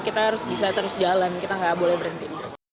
kita harus jalan kita gak boleh berhenti